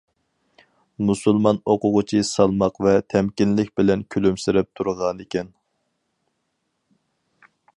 مۇسۇلمان ئوقۇغۇچى سالماق ۋە تەمكىنلىك بىلەن كۈلۈمسىرەپ تۇرغانىكەن.